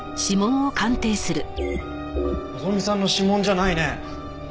希さんの指紋じゃないね。